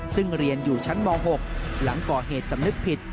ซึ่งเรียนอยู่ชั้นม๖หลังก่อเหตุสำนึกผิด